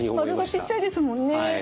丸がちっちゃいですもんね。